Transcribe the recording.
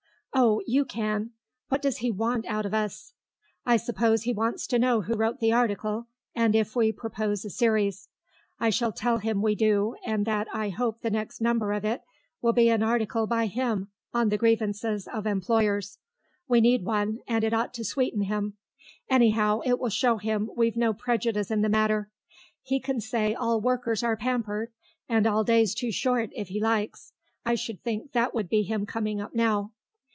"Oh, you can. What does he want out of us?" "I suppose he wants to know who wrote the article, and if we purpose a series. I shall tell him we do, and that I hope the next number of it will be an article by him on the Grievances of Employers. We need one, and it ought to sweeten him. Anyhow it will show him we've no prejudice in the matter. He can say all workers are pampered and all days too short, if he likes. I should think that would be him coming up now."